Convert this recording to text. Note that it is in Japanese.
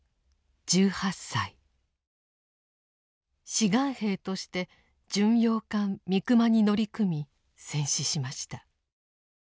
志願兵として巡洋艦「三隈」に乗り組み戦死しました。